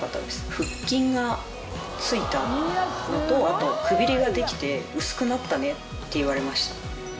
腹筋が付いたのとくびれができて薄くなったねって言われました。